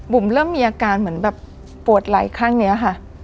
บุ๋มเริ่มมีอาการเหมือนปวดไหลข้างเนี่ยค่ะ